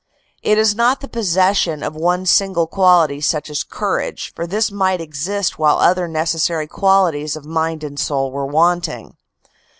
It is not the possession of one single quality such as courage, for this might exist whilst other necessary qualities of mind and soul were wanting."